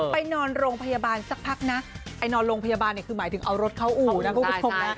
ไปนอนโรงพยาบาลสักพักนะไอ้นอนโรงพยาบาลเนี่ยคือหมายถึงเอารถเข้าอู่นะคุณผู้ชมนะ